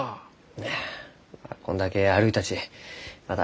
いやこんだけ歩いたちまだ